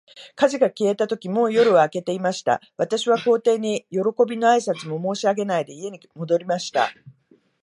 火事が消えたとき、もう夜は明けていました。私は皇帝に、よろこびの挨拶も申し上げないで、家に戻りました。